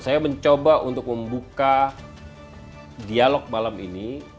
saya mencoba untuk membuka dialog malam ini